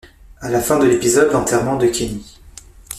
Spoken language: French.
A la fin de l'épisode l'enterrement de Kenny.